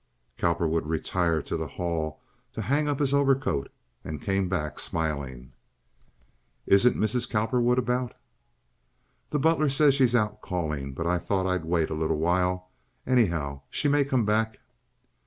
Cowperwood retired to the hall to hang up his overcoat and came back smiling. "Isn't Mrs. Cowperwood about?" "The butler says she's out calling, but I thought I'd wait a little while, anyhow. She may come back."